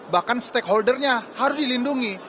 bahkan stakeholdernya harus dilindungi